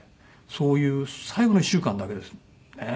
そういう最後の１週間だけねえ。